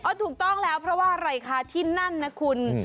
อ่าถูกต้องแล้วเพราะว่ารายคาที่นั่นนะคุณ